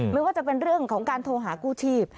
ไม่ว่าจะเป็นเรื่องของการโทรหากู้ชีพ